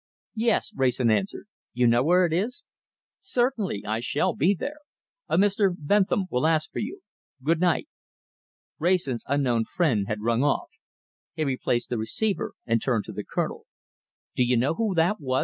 "Yes!" Wrayson answered. "You know where it is?" "Certainly! I shall be there. A Mr. Bentham will ask for you. Good night!" Wrayson's unknown friend had rung off. He replaced the receiver and turned to the Colonel. "Do you know who that was?"